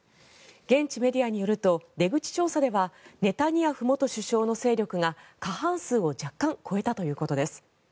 現地メディアによると出口調査ではネタニヤフ元首相の勢力が過半数を若干超えたということです。